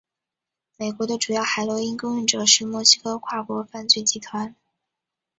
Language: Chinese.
美国的主要海洛因供应者是墨西哥跨国犯罪集团。